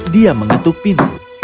dia mengetuk pintu